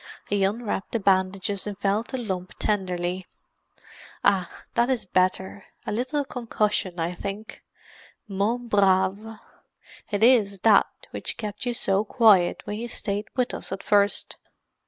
He unwrapped the bandages and felt the lump tenderly. "Ah, that is better; a little concussion, I think, mon brave; it is that which kept you so quiet when you stayed with us at first.